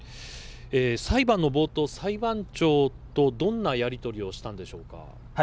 裁判の冒頭裁判長とどんなやりとりをしたのでしょうか。